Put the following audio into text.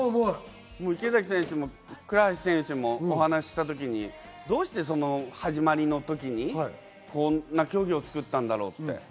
池崎選手も倉橋選手もお話を伺ったときに、どうして始まりの時にこんな競技を作ったんだろうって。